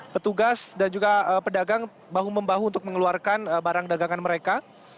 petugas dan juga pedagang bahu membahu untuk mengeluarkan barang dagangan mereka